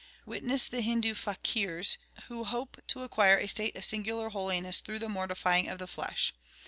Witness the Hindoo fakirs who hope to acquire a state of singular holiness through the mortifying of the flesh.